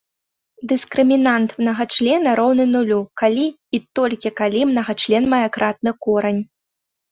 Дыскрымінант мнагачлена роўны нулю, калі і толькі калі мнагачлен мае кратны корань.